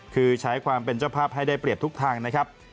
คือใช้ความเป็นเจ้าภาพให้ได้เปรียบทุกทางนะครับ